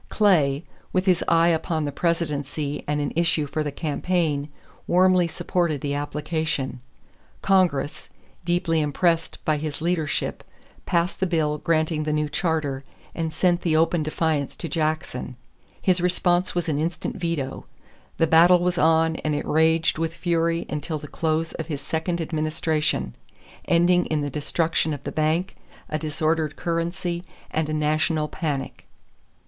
Clay, with his eye upon the presidency and an issue for the campaign, warmly supported the application. Congress, deeply impressed by his leadership, passed the bill granting the new charter, and sent the open defiance to Jackson. His response was an instant veto. The battle was on and it raged with fury until the close of his second administration, ending in the destruction of the bank, a disordered currency, and a national panic.